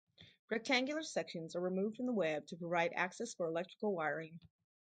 Rectangular sections are removed from the web to provide access for electrical wiring.